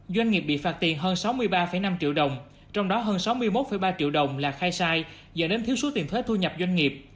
doanh nghiệp bị phạt tiền hơn sáu mươi ba năm triệu đồng trong đó hơn sáu mươi một ba triệu đồng là khai sai dẫn đến thiếu số tiền thuế thu nhập doanh nghiệp